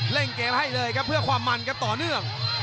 เล่นเกมให้เลยครับเพื่อความมันครับต่อเนื่อง